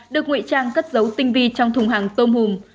được nguy trang cất dấu tinh vi trong thùng hàng tôm hùm